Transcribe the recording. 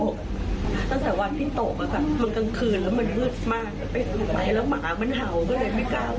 ตั้งแต่วันที่ตกมันกลางคืนแล้วมันรืดมาก